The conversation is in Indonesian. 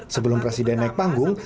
sebelum presiden naik panggung